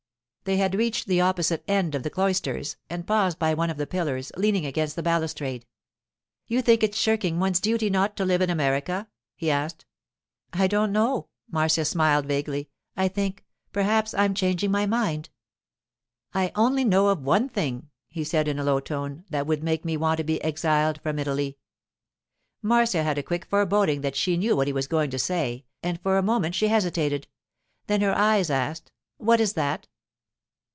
They had reached the opposite end of the cloisters, and paused by one of the pillars, leaning against the balustrade. 'You think it's shirking one's duty not to live in America?' he asked. 'I don't know,' Marcia smiled vaguely. 'I think—perhaps I'm changing my mind.' 'I only know of one thing,' he said in a low tone, 'that would make me want to be exiled from Italy.' Marcia had a quick foreboding that she knew what he was going to say, and for a moment she hesitated; then her eyes asked: 'What is that?